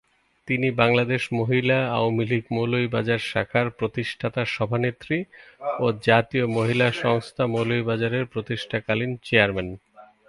তিনি বাংলাদেশ মহিলা আওয়ামীলীগ মৌলভীবাজার জেলা শাখার প্রতিষ্ঠাতা সভানেত্রী ও জাতীয় মহিলা সংস্থা মৌলভীবাজার এর প্রতিষ্ঠা কালীন চেয়ারম্যান।